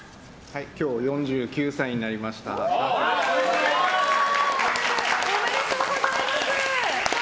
今日、４９歳になりましたおめでとうございます。